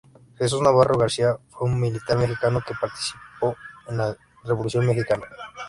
Jesús Navarro García fue un militar mexicano que participó en la Revolución mexicana.